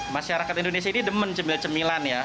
masyarakat indonesia ini demen cemilan cemilan ya